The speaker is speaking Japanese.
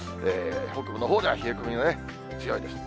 北部のほうでは冷え込みが強いです。